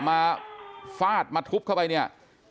ฟาดมาทุบเข้าไปเนี่ย